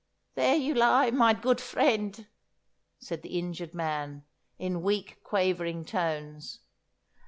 'There you lie, mine goot vriend,' said the injured man, in weak, quavering tones.